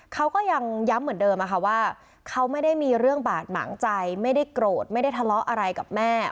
เขาก็ยังย้ำเหมือนเดิมว่าเขาไม่ได้มีเรื่องบาดหมางใจไม่ได้โกรธไม่ได้ทะเลาะอะไรกับแม่